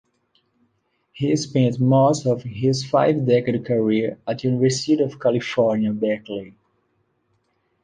He spent most of his five-decade career at the University of California, Berkeley.